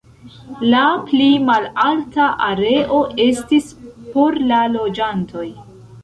La pli malalta areo estis por la loĝantoj.